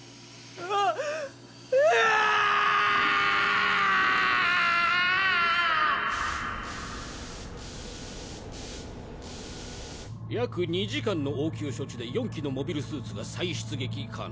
うわ‼約２時間の応急処置で４機のモビルスーツが再出撃可能。